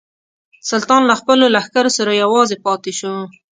سلطان له خپلو لښکرو سره یوازې پاته شو.